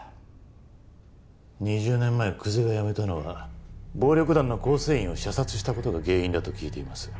２０年前久瀬が辞めたのは暴力団の構成員を射殺した事が原因だと聞いています。